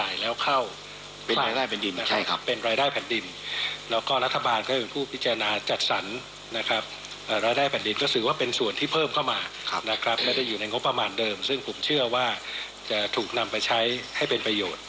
อยู่ที่การพิจารณาของท่านนายยกรัฐมนตรีค่ะ